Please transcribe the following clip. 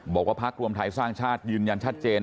บอกว่าพักรวมไทยสร้างชาติยืนยันชัดเจน